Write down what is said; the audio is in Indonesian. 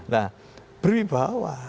nah beri bahwa